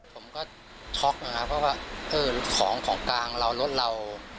ผมก็ช็อกนะครับเพราะว่าเออของของกลางเรารถเรา